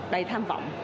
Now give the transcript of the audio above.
đầy tham vọng